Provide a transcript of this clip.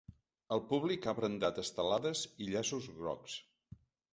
El públic ha brandat estelades i llaços grocs.